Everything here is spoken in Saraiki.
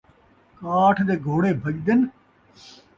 کاٹھ دے گھوڑے بھڄدِن ؟